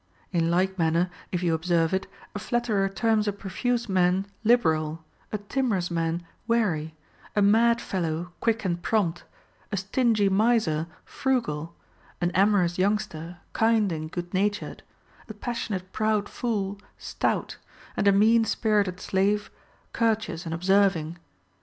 * In like manner, if you observe it, a flatterer terms a profuse man liberal, a timorous man wary, a mad fellow quick and prompt, a stingy miser frugal, an amorous youngster kind and good natured, a passionate proud fool stout, and a mean spirited slave courteous and observing.